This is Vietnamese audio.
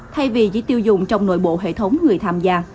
thay vì chỉ tiêu dùng trong nội bộ hệ thống người tham gia